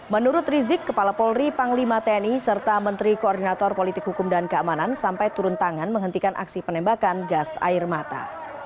menurut rizik kepala polri panglima tni serta menteri koordinator politik hukum dan keamanan sampai turun tangan menghentikan aksi penembakan gas air mata